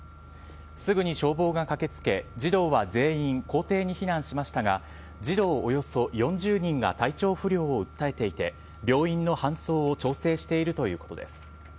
すぐに消防が駆けつけ、児童は全員校庭に避難しましたが、児童およそ４０人が体調不良を訴えていて、病院の搬送を調整しているということです。